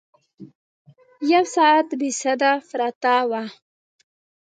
یو ساعت بې سده پرته وه.